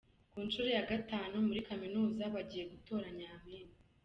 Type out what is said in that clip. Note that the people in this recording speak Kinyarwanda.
Ku nshuro ya gatanu muri kaminuza bagiye gutora nyampinga